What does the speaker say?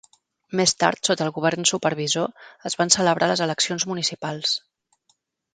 Més tard, sota el govern supervisor, es van celebrar les eleccions municipals.